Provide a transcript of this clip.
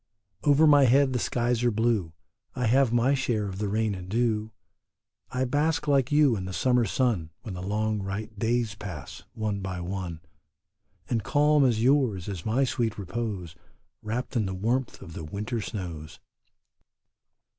Over my head the skies are blue ; I have my share of the rain and dew ; I bask like you in the summer sun When the long bright days pass, one by one, And calm as yours is my sweet repose Wrapped in the warmth of the winter snows.